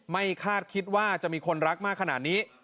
คาดคิดว่าจะมีคนรักมากขนาดนี้